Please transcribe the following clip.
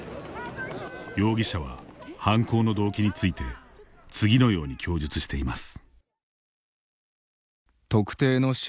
容疑者は犯行の動機について次のように供述しています。